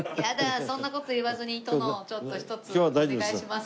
そんな事言わずに殿ちょっとひとつお願いします。